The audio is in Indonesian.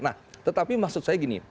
nah tetapi maksud saya gini